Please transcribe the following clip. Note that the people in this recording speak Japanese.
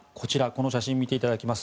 この写真見ていただきます。